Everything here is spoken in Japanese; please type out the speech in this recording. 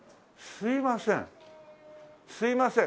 すいません。